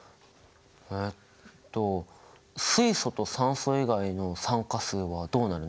えっと水素と酸素以外の酸化数はどうなるの？